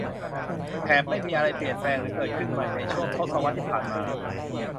แถบไม่มีอะไรเปลี่ยนแปลงหรือเกิดขึ้นใหม่ในช่วงทศวรรษที่ผ่านมา